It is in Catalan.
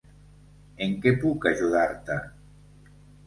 En què puc ajudar-te?